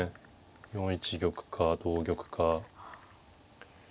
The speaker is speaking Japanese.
４一玉か同玉か。